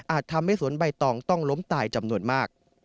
ทำให้สวนใบตองต้องล้มตายจำนวนมาก